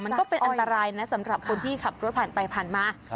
มันก็เป็นอันตรายนะสำหรับคนที่ขับรถผ่านไปผ่านมา